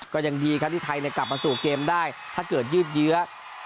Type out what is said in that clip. ก็ยังดีครับที่ไทยกลับมาสู่เกมได้ถ้าเกิดยืดเยื้อ